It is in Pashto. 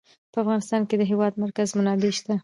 په افغانستان کې د د هېواد مرکز منابع شته.